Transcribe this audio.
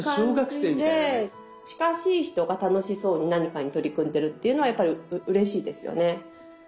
近しい人が楽しそうに何かに取り組んでるっていうのはやっぱりうれしいですよね。